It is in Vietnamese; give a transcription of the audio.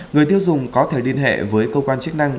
người tiêu dùng có thể liên hệ với cơ quan chức năng